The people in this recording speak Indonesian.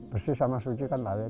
bersih sama suci kan lari